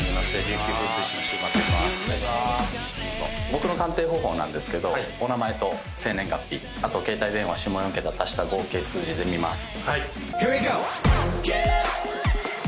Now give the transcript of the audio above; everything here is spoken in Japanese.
僕の鑑定方法なんですけどお名前と生年月日あと携帯電話下４桁足した合計数字で見ます。